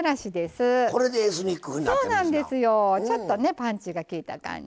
ちょっとねパンチがきいた感じ。